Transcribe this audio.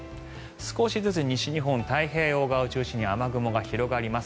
少しずつ西日本太平洋側を中心に雨雲が広がります。